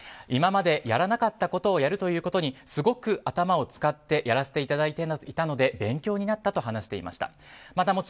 今までやらなかったことをやるということにすごく頭を使ってやらせていただいていたので勉強になったと話していました。